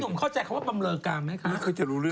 คุณหนุ่มเข้าใจคำว่าบำเลอกรามไหมคะ